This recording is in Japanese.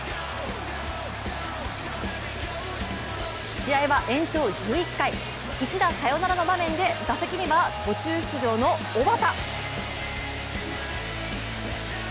試合は延長１１回、一打サヨナラの場面で打席には途中出場の小幡。